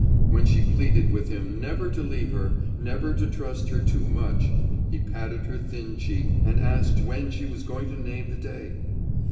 When she pleaded with him never to leave her, never to trust her too much, he patted her thin cheek and asked when she was going to name the day.